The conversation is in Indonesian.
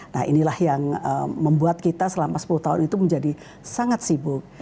nah inilah yang membuat kita selama sepuluh tahun itu menjadi sangat sibuk